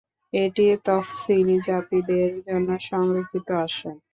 এটি তফসিলি জাতিদের জন্য সংরক্ষিত আসন।